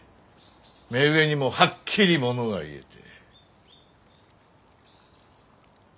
目上にもはっきり物が言えて。